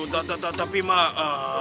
tidak tapi mak